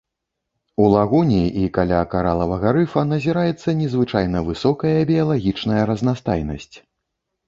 У лагуне і каля каралавага рыфа назіраецца незвычайна высокая біялагічная разнастайнасць.